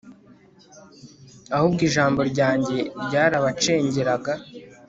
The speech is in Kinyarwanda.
ahubwo ijambo ryanjye ryarabacengeraga